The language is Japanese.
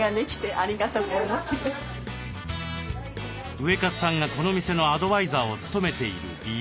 ウエカツさんがこの店のアドバイザーを務めている理由。